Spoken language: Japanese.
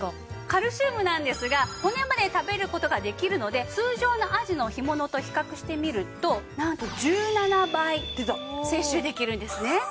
カルシウムなんですが骨まで食べる事ができるので通常のあじの干物と比較してみるとなんと１７倍摂取できるんですね。